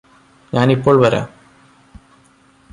ഞാനിപ്പോള് വരാം